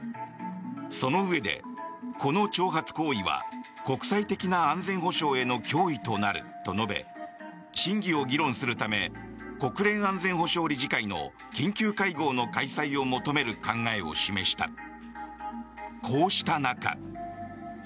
そのうえで、この挑発行為は国際的な安全保障への脅威となると述べ真偽を議論するため国連安全保障理事会の緊急会合の開催を求める考えを示した。